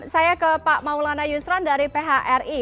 saya ke pak maulana yusran dari phri